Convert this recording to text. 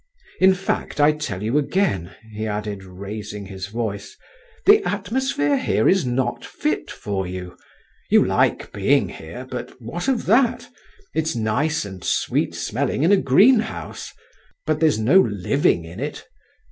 In fact, I tell you again," he added, raising his voice, "the atmosphere here is not fit for you. You like being here, but what of that! it's nice and sweet smelling in a greenhouse—but there's no living in it.